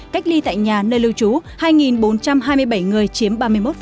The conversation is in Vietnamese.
cách ly tại nhà nơi lưu trú hai bốn trăm hai mươi bảy người chiếm ba mươi một